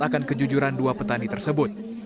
akan kejujuran dua petani tersebut